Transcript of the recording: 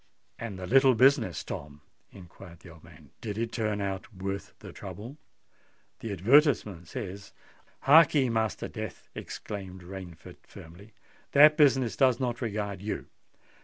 "And the little business, Tom," inquired the old man,—"did it turn out worth the trouble? The advertisement says——" "Hark'ee, Master Death," exclaimed Rainford, firmly; "that business does not regard you.